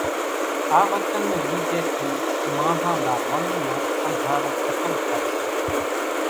آ وچن ني ليڌي ٿي ماڻۿان نا من نون انڌارو کتم ٿائي سي